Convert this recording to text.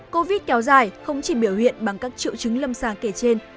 covid kéo dài không chỉ biểu hiện bằng các triệu chứng lâm sàng kể trên